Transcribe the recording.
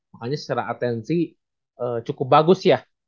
makanya secara atensi cukup bagus ya